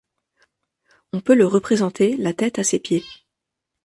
On peut le représenter la tête à ses pieds.